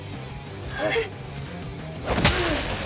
はい。